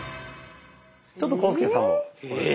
ちょっと浩介さんもえ⁉